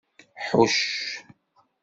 Ḥucc.